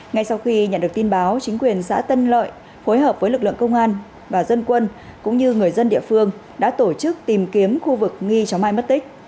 ngay sau khi nhận được tin báo chính quyền xã tân lợi phối hợp với lực lượng công an và dân quân cũng như người dân địa phương đã tổ chức tìm kiếm khu vực nghi chóng mai mất tích